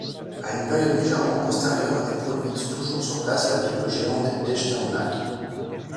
À une période légèrement postérieure est produite toujours sur place la Bible géante d’Echternach.